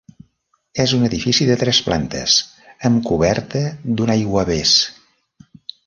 És un edifici de tres plantes amb coberta d'un aiguavés.